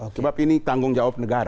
sebab ini tanggung jawab negara